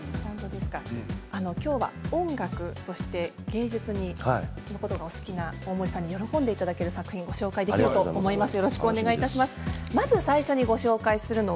きょうは音楽、そして芸術が好きな大森さんに喜んでいただける作品をご紹介できると思います。